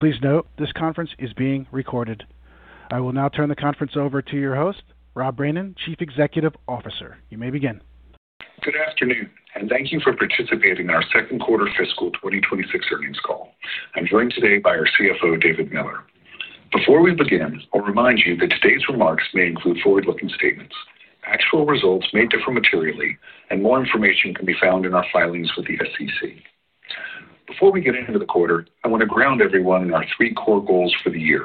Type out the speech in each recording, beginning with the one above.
Please note, this conference is being recorded. I will now turn the conference over to your host, Rob Brainin, Chief Executive Officer. You may begin. Good afternoon, and thank you for participating in our 2nd Quarter Fiscal 2026 Earnings Call. I'm joined today by our CFO, David Miller. Before we begin, I'll remind you that today's remarks may include forward-looking statements. Actual results may differ materially, and more information can be found in our filings with the SEC. Before we get into the quarter, I want to ground everyone in our three core goals for the year.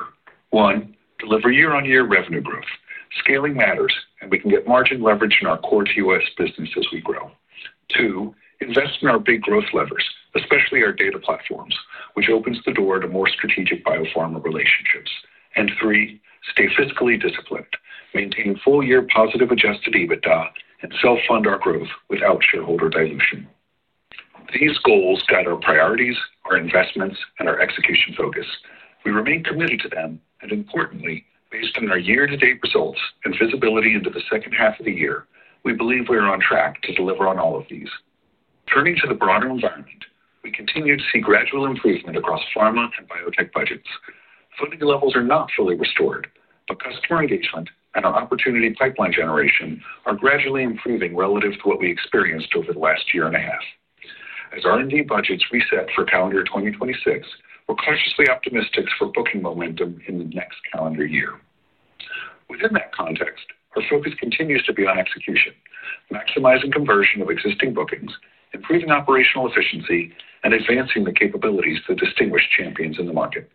One, deliver year-on-year revenue growth. Scaling matters, and we can get margin leverage in our core TOS business as we grow. Two, invest in our big growth levers, especially our data platforms, which opens the door to more strategic biopharma relationships. And three, stay fiscally disciplined, maintain full-year positive Adjusted EBITDA, and self-fund our growth without shareholder dilution. These goals guide our priorities, our investments, and our execution focus. We remain committed to them, and importantly, based on our year-to-date results and visibility into the 2nd half of the year, we believe we are on track to deliver on all of these. Turning to the broader environment, we continue to see gradual improvement across pharma and biotech budgets. Funding levels are not fully restored, but customer engagement and our opportunity pipeline generation are gradually improving relative to what we experienced over the last year and a half. As R&D budgets reset for calendar 2026, we're cautiously optimistic for booking momentum in the next calendar year. Within that context, our focus continues to be on execution, maximizing conversion of existing bookings, improving operational efficiency, and advancing the capabilities to distinguish Champions in the market.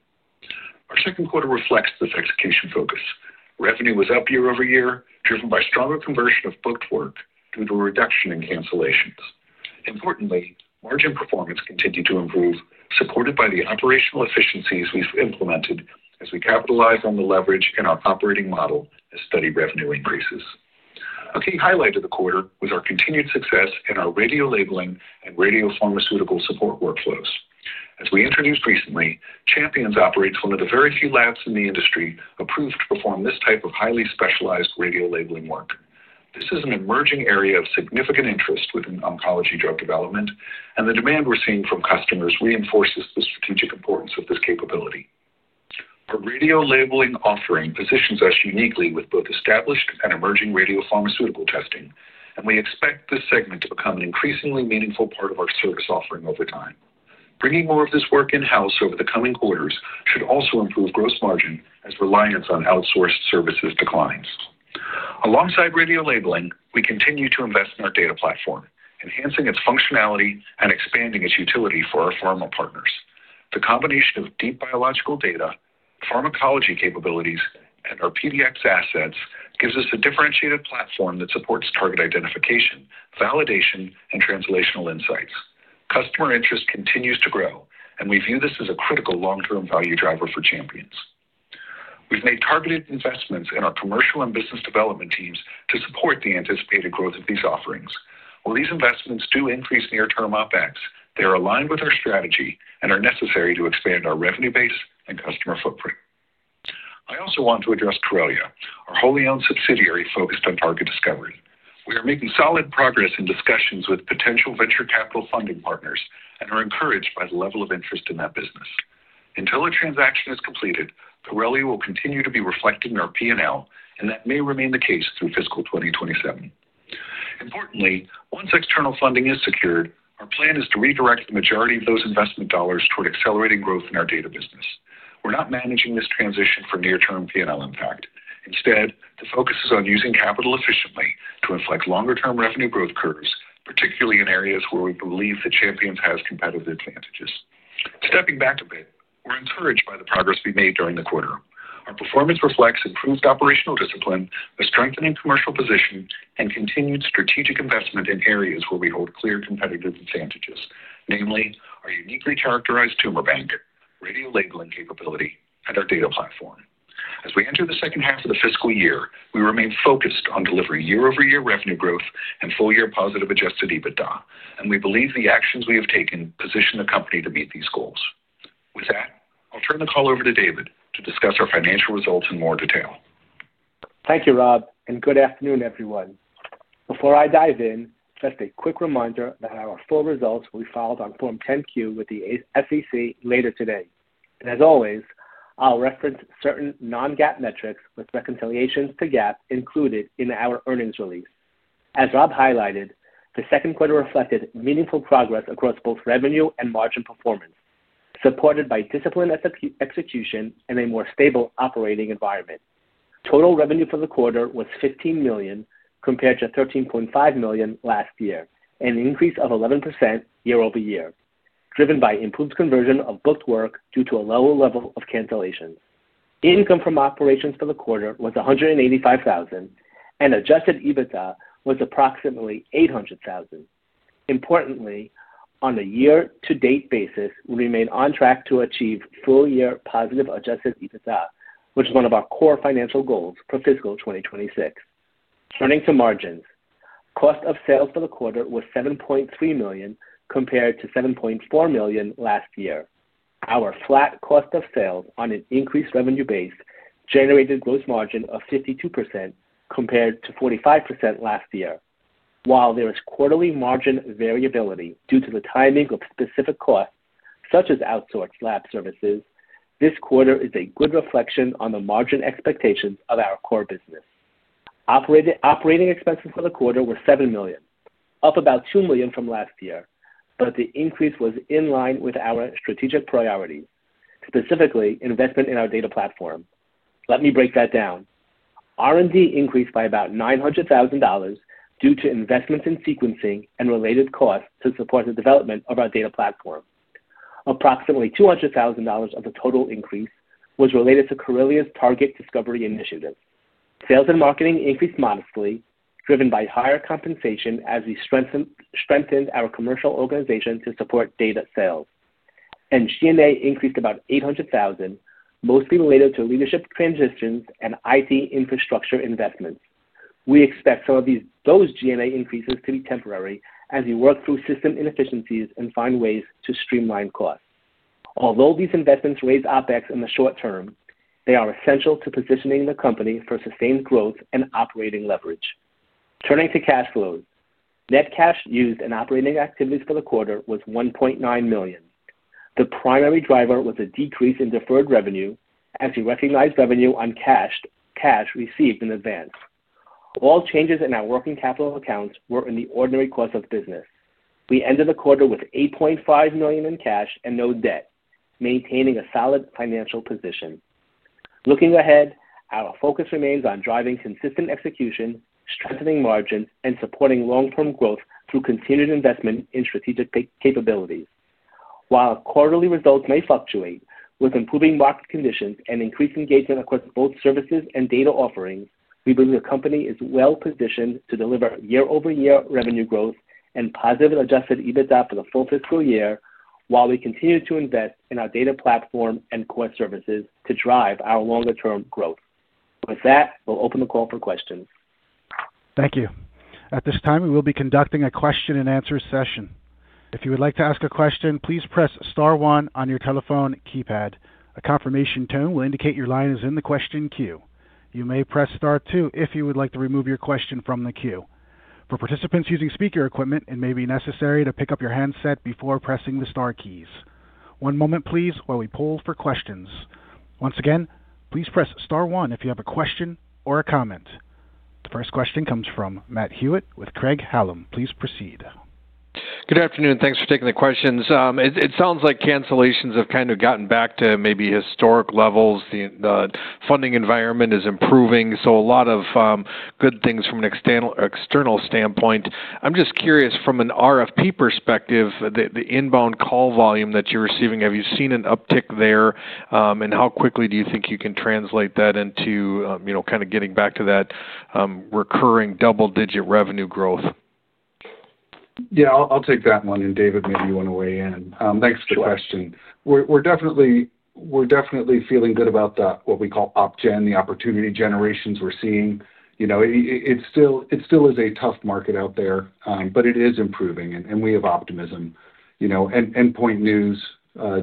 Our second quarter reflects this execution focus. Revenue was up year-over-year, driven by stronger conversion of booked work due to a reduction in cancellations. Importantly, margin performance continued to improve, supported by the operational efficiencies we've implemented as we capitalize on the leverage in our operating model as steady revenue increases. A key highlight of the quarter was our continued success in our radiolabeling and radiopharmaceutical support workflows. As we introduced recently, Champions operates one of the very few labs in the industry approved to perform this type of highly specialized radiolabeling work. This is an emerging area of significant interest within oncology drug development, and the demand we're seeing from customers reinforces the strategic importance of this capability. Our radiolabeling offering positions us uniquely with both established and emerging radiopharmaceutical testing, and we expect this segment to become an increasingly meaningful part of our service offering over time. Bringing more of this work in-house over the coming quarters should also improve gross margin as reliance on outsourced services declines. Alongside radiolabeling, we continue to invest in our data platform, enhancing its functionality and expanding its utility for our pharma partners. The combination of deep biological data, pharmacology capabilities, and our PDX assets gives us a differentiated platform that supports target identification, validation, and translational insights. Customer interest continues to grow, and we view this as a critical long-term value driver for Champions. We've made targeted investments in our commercial and business development teams to support the anticipated growth of these offerings. While these investments do increase near-term Opex, they are aligned with our strategy and are necessary to expand our revenue base and customer footprint. I also want to address Corelia, our wholly-owned subsidiary focused on target discovery. We are making solid progress in discussions with potential venture capital funding partners and are encouraged by the level of interest in that business. Until a transaction is completed, Corelia will continue to be reflected in our P&L, and that may remain the case through fiscal 2027. Importantly, once external funding is secured, our plan is to redirect the majority of those investment dollars toward accelerating growth in our data business. We're not managing this transition for near-term P&L impact. Instead, the focus is on using capital efficiently to inflect longer-term revenue growth curves, particularly in areas where we believe that Champions has competitive advantages. Stepping back a bit, we're encouraged by the progress we made during the quarter. Our performance reflects improved operational discipline, a strengthening commercial position, and continued strategic investment in areas where we hold clear competitive advantages, namely our uniquely characterized tumor bank, radiolabeling capability, and our data platform. As we enter the 2nd half of the fiscal year, we remain focused on delivering year-over-year revenue growth and full-year positive adjusted EBITDA, and we believe the actions we have taken position the company to meet these goals. With that, I'll turn the call over to David to discuss our financial results in more detail. Thank you, Rob, and good afternoon, everyone. Before I dive in, just a quick reminder that our full results will be filed on Form 10-Q with the SEC later today. As always, I'll reference certain non-GAAP metrics with reconciliations to GAAP included in our earnings release. As Rob highlighted, the 2nd quarter reflected meaningful progress across both revenue and margin performance, supported by disciplined execution and a more stable operating environment. Total revenue for the quarter was $15 million compared to $13.5 million last year, an increase of 11% year-over-year, driven by improved conversion of booked work due to a lower level of cancellations. Income from operations for the quarter was $185,000, and adjusted EBITDA was approximately $800,000. Importantly, on a year-to-date basis, we remain on track to achieve full-year positive adjusted EBITDA, which is one of our core financial goals for fiscal 2026. Turning to margins, cost of sales for the quarter was $7.3 million compared to $7.4 million last year. Our flat cost of sales on an increased revenue base generated gross margin of 52% compared to 45% last year. While there is quarterly margin variability due to the timing of specific costs such as outsourced lab services, this quarter is a good reflection on the margin expectations of our core business. Operating expenses for the quarter were $7 million, up about $2 million from last year, but the increase was in line with our strategic priorities, specifically investment in our data platform. Let me break that down. R&D increased by about $900,000 due to investments in sequencing and related costs to support the development of our data platform. Approximately $200,000 of the total increase was related to Corelia's target discovery initiative. Sales and marketing increased modestly, driven by higher compensation as we strengthened our commercial organization to support data sales, and G&A increased about $800,000, mostly related to leadership transitions and IT infrastructure investments. We expect some of those G&A increases to be temporary as we work through system inefficiencies and find ways to streamline costs. Although these investments raised Opex in the short term, they are essential to positioning the company for sustained growth and operating leverage. Turning to cash flows, net cash used in operating activities for the quarter was $1.9 million. The primary driver was a decrease in deferred revenue as we recognized revenue on cash received in advance. All changes in our working capital accounts were in the ordinary course of business. We ended the quarter with $8.5 million in cash and no debt, maintaining a solid financial position. Looking ahead, our focus remains on driving consistent execution, strengthening margins, and supporting long-term growth through continued investment in strategic capabilities. While quarterly results may fluctuate, with improving market conditions and increasing engagement across both services and data offerings, we believe the company is well-positioned to deliver year-over-year revenue growth and positive adjusted EBITDA for the full fiscal year, while we continue to invest in our data platform and core services to drive our longer-term growth. With that, we'll open the call for questions. Thank you. At this time, we will be conducting a question-and-answer session. If you would like to ask a question, please press star one on your telephone keypad. A confirmation tone will indicate your line is in the question queue. You may press star two if you would like to remove your question from the queue. For participants using speaker equipment, it may be necessary to pick up your handset before pressing the star keys. One moment, please, while we poll for questions. Once again, please press star one if you have a question or a comment. The first question comes from Matt Hewitt with Craig-Hallum. Please proceed. Good afternoon. Thanks for taking the questions. It sounds like cancellations have kind of gotten back to maybe historic levels. The funding environment is improving, so a lot of good things from an external standpoint. I'm just curious, from an RFP perspective, the inbound call volume that you're receiving, have you seen an uptick there? And how quickly do you think you can translate that into kind of getting back to that recurring double-digit revenue growth? Yeah, I'll take that one, and David, maybe you want to weigh in. Thanks for the question. We're definitely feeling good about what we call opt-gen, the opportunity generations we're seeing. It still is a tough market out there, but it is improving, and we have optimism. Endpoints News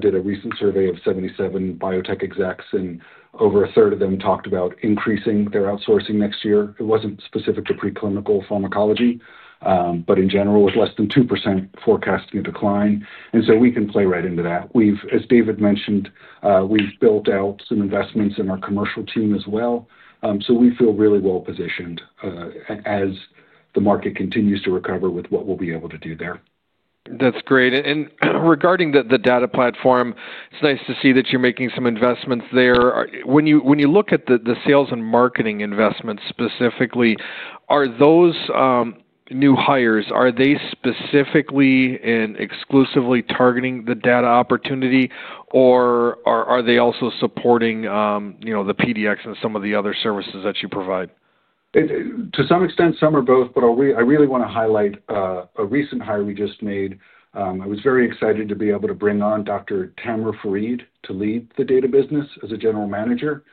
did a recent survey of 77 biotech execs, and over a third of them talked about increasing their outsourcing next year. It wasn't specific to preclinical pharmacology, but in general, with less than 2% forecasting a decline. And so we can play right into that. As David mentioned, we've built out some investments in our commercial team as well, so we feel really well-positioned as the market continues to recover with what we'll be able to do there. That's great. And regarding the data platform, it's nice to see that you're making some investments there. When you look at the sales and marketing investments specifically, are those new hires, are they specifically and exclusively targeting the data opportunity, or are they also supporting the PDX and some of the other services that you provide? To some extent, some or both, but I really want to highlight a recent hire we just made. I was very excited to be able to bring on Dr. Tammer Farid to lead the data business as a general manager.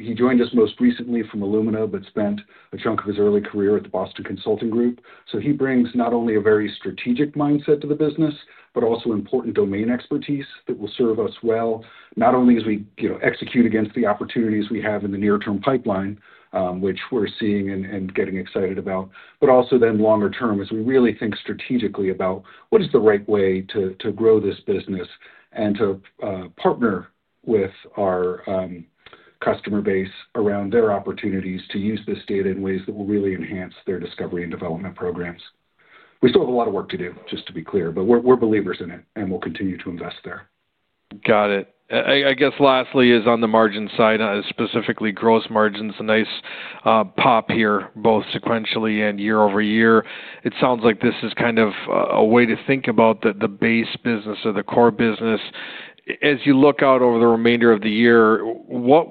He joined us most recently from Illumina but spent a chunk of his early career at the Boston Consulting Group. So he brings not only a very strategic mindset to the business, but also important domain expertise that will serve us well, not only as we execute against the opportunities we have in the near-term pipeline, which we're seeing and getting excited about, but also then longer term as we really think strategically about what is the right way to grow this business and to partner with our customer base around their opportunities to use this data in ways that will really enhance their discovery and development programs. We still have a lot of work to do, just to be clear, but we're believers in it, and we'll continue to invest there. Got it. I guess lastly is on the margin side, specifically gross margins, a nice pop here, both sequentially and year-over-year. It sounds like this is kind of a way to think about the base business or the core business. As you look out over the remainder of the year, where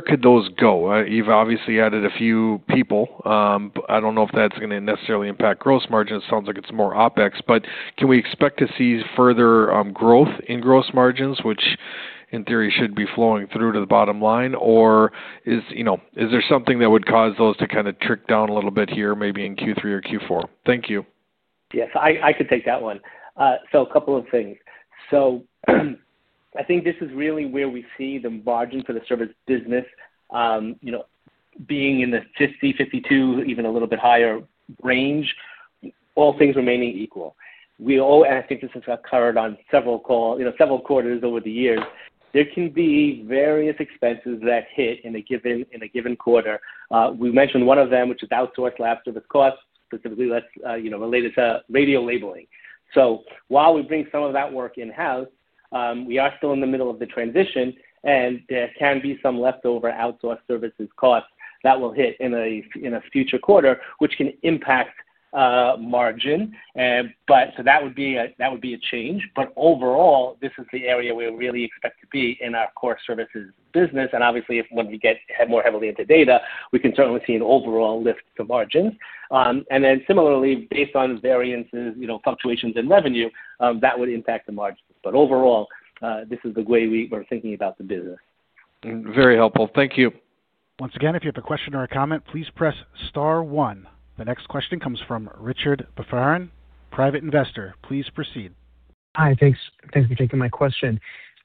could those go? You've obviously added a few people. I don't know if that's going to necessarily impact gross margins. It sounds like it's more Opex, but can we expect to see further growth in gross margins, which in theory should be flowing through to the bottom line, or is there something that would cause those to kind of trickle down a little bit here, maybe in Q3 or Q4? Thank you. Yes, I could take that one, so a couple of things, so I think this is really where we see the margin for the service business being in the 50%-52%, even a little bit higher range, all things remaining equal, and I think this has occurred on several quarters over the years, there can be various expenses that hit in a given quarter. We mentioned one of them, which is outsourced lab service costs, specifically related to radiolabeling. So while we bring some of that work in-house, we are still in the middle of the transition, and there can be some leftover outsourced services costs that will hit in a future quarter, which can impact margin, so that would be a change, but overall, this is the area we really expect to be in our core services business. Obviously, when we get more heavily into data, we can certainly see an overall lift to margins. And then similarly, based on variances, fluctuations in revenue, that would impact the margins. But overall, this is the way we're thinking about the business. Very helpful. Thank you. Once again, if you have a question or a comment, please press star one. The next question comes from Richard Baffarin, Private Investor. Please proceed. Hi, thanks for taking my question.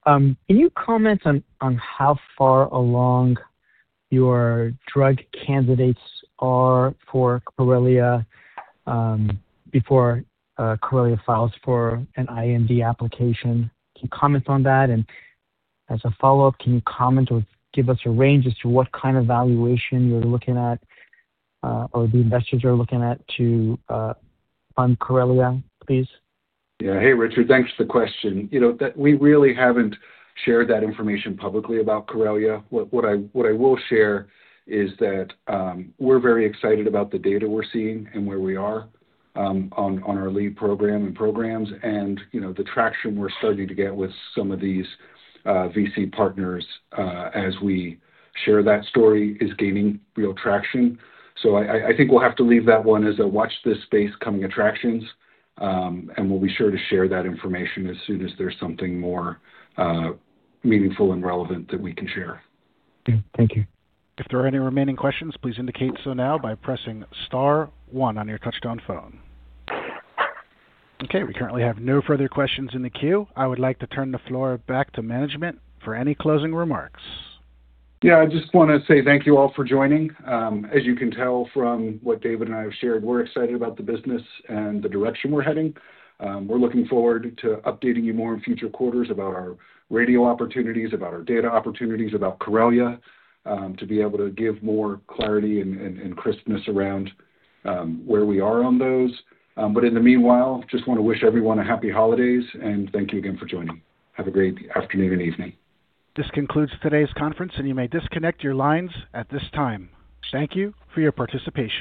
Can you comment on how far along your drug candidates are for Corelia before Corelia files for an IND application? Can you comment on that? And as a follow-up, can you comment or give us a range as to what kind of valuation you're looking at or the investors are looking at on Corelia, please? Yeah. Hey, Richard, thanks for the question. We really haven't shared that information publicly about Corelia. What I will share is that we're very excited about the data we're seeing and where we are on our lead program and programs, and the traction we're starting to get with some of these VC partners as we share that story is gaining real traction, so I think we'll have to leave that one as a watch this space coming attractions, and we'll be sure to share that information as soon as there's something more meaningful and relevant that we can share. Thank you. If there are any remaining questions, please indicate so now by pressing star one on your touch-tone phone. Okay. We currently have no further questions in the queue. I would like to turn the floor back to management for any closing remarks. Yeah, I just want to say thank you all for joining. As you can tell from what David and I have shared, we're excited about the business and the direction we're heading. We're looking forward to updating you more in future quarters about our radiopharma opportunities, about our data opportunities, about Corelia, to be able to give more clarity and crispness around where we are on those. But in the meanwhile, just want to wish everyone a happy holidays, and thank you again for joining. Have a great afternoon and evening. This concludes today's conference, and you may disconnect your lines at this time. Thank you for your participation.